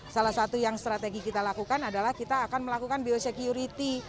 salah satu yang strategi kita lakukan adalah kita akan melakukan biosecurity